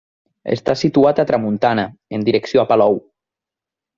Està situat a tramuntana, en direcció a Palou.